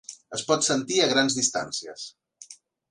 Es pot sentir a grans distàncies.